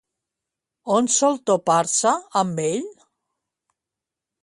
On sol topar-se amb ell?